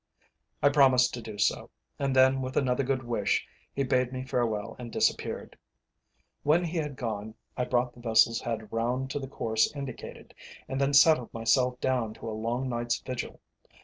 I promised to do so, and then with another good wish, he bade me farewell and disappeared. When he had gone I brought the vessel's head round to the course indicated, and then settled myself down to a long night's vigil.